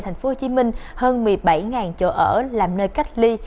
thành phố hồ chí minh hơn một mươi bảy chỗ ở làm nơi cách ly